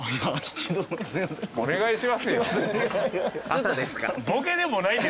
朝ですから。